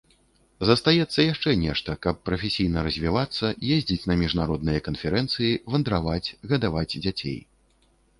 Застаецца яшчэ нешта, каб прафесійна развівацца, ездзіць на міжнародныя канферэнцыі, вандраваць, гадаваць дзяцей.